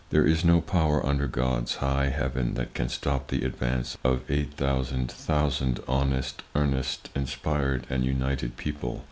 There is no power under God's high heaven that can stop the advance of eight thousand thousand honest, earnest, inspired and united people.